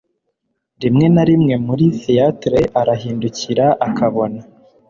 Rimwe na rimwe muri theatre arahindukira akabona